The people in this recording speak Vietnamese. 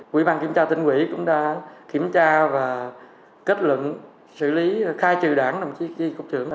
quỹ ban kiểm tra tỉnh quỹ cũng đã kiểm tra và kết luận xử lý khai trừ đảng đồng chí chi cục trưởng